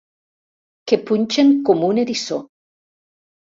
Que punxen com un eriçó.